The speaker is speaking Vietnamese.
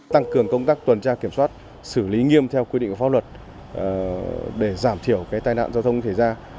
tăng cường công tác tuần tra kiểm soát xử lý nghiêm theo quy định của pháp luật để giảm thiểu tai nạn giao thông thể ra